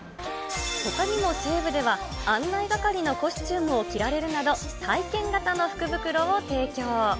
ほかにも西武では、案内係のコスチュームを着られるなど、体験型の福袋を提供。